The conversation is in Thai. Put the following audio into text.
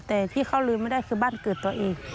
แต่ที่เขาลืมไม่ได้คือบ้านเกิดตัวเอง